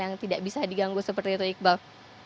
yang tidak bisa diganggu seperti itu iqbal